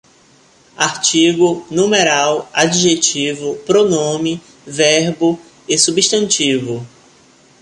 Artigo, numeral, adjetivo, pronome, verbo e substantivo